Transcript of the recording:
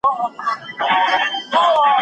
پښتانه شاعران ډېر مینه وال لري.